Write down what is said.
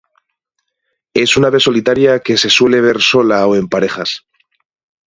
Es una ave solitaria que se suele ver sola o en parejas.